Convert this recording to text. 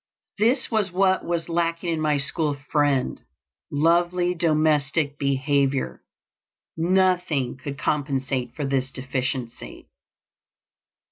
This was what was lacking in my school friend: lovely domestic behavior. Nothing could compensate for this deficiency.